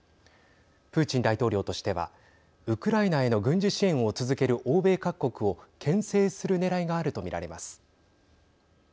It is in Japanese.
プーチン大統領としてはウクライナへの軍事支援を続ける欧米各国をけん制するねらいがあるとみられます。